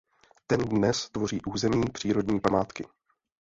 Ten dnes tvoří území přírodní památky.